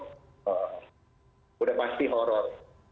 sudah pasti horror